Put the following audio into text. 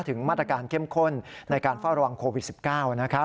ถึงมาตรการเข้มข้นในการเฝ้าระวังโควิด๑๙นะครับ